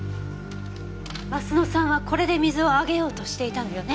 鱒乃さんはこれで水をあげようとしていたのよね？